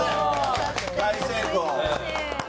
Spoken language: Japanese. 大成功。